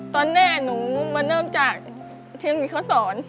ตอนแรกฉันมาเริ่มจากเชื้อมีนเขาสอน